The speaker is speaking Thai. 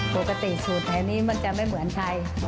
ปกติสูตรแถวนี้มันจะไม่เหมือนใคร